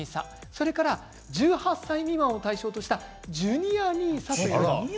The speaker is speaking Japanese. それから１８歳未満を対象としたジュニアＮＩＳＡ。